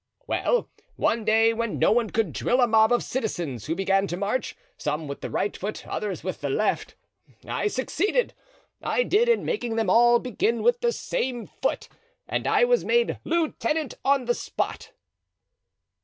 "Well, one day when no one could drill a mob of citizens, who began to march, some with the right foot, others with the left, I succeeded, I did, in making them all begin with the same foot, and I was made lieutenant on the spot."